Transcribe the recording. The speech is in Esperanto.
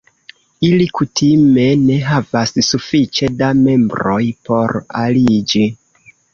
Ili kutime ne havas sufiĉe da membroj por aliĝi.